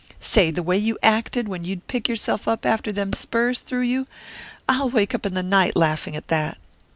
Say, the way you acted when you'd pick yourself up after them spurs threw you I'll wake up in the night laughing at that."